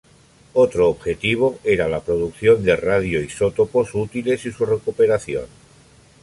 Otro objetivo era la producción de radioisótopos útiles y su recuperación.